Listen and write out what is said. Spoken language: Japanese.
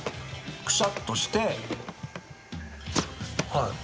くしゃっとして。